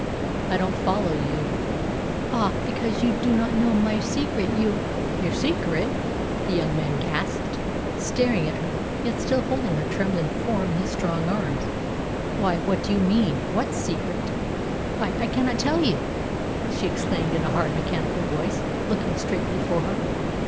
"I don't follow you." "Ah, because you do not know my secret you " "Your secret!" the young man gasped, staring at her, yet still holding her trembling form in his strong arms. "Why, what do you mean? What secret?" "I I cannot tell you!" she exclaimed in a hard, mechanical voice, looking straight before her.